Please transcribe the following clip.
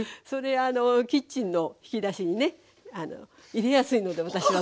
それキッチンの引き出しにね入れやすいので私はそれを。